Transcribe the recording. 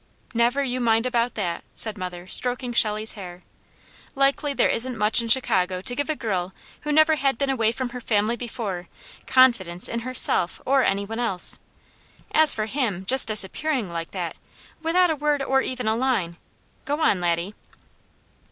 "Never you mind about that," said mother, stroking Shelley's hair. "Likely there isn't much in Chicago to give a girl who never had been away from her family before, 'confidence' in herself or any one else. As for him just disappearing like that, without a word or even a line Go on Laddie!"